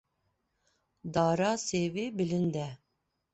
Dara sêvê bilind e.